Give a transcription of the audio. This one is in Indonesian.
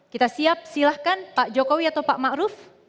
kita siap silakan pak jokowi atau pak ma'ruf